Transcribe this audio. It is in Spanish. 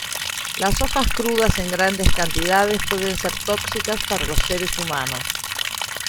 Las hojas crudas en grandes cantidades pueden ser tóxicas para los seres humanos.